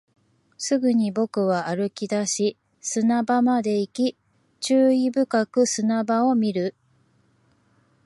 すぐに僕は歩き出し、砂場まで行き、注意深く砂場を見る